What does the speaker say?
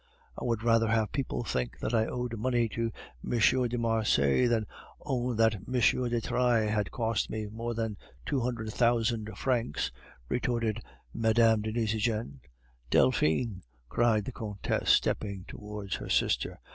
"I would rather have people think that I owed money to M. de Marsay than own that M. de Trailles had cost me more than two hundred thousand francs," retorted Mme. de Nucingen. "Delphine!" cried the Countess, stepping towards her sister.